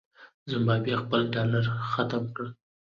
زمبابوې خپل ډالر ختم کړ.